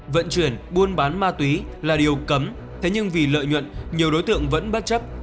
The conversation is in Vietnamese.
vận chuyển buôn bán ma túy là điều cấm thế nhưng vì lợi nhuận nhiều đối tượng vẫn bất chấp